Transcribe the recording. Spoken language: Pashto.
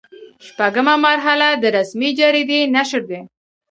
شپږمه مرحله د رسمي جریدې نشر دی.